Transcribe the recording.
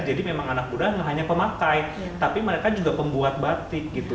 jadi memang anak muda nggak hanya pemakai tapi mereka juga pembuat batik gitu